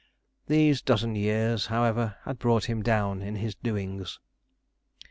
These dozen years, however, had brought him down in his doings.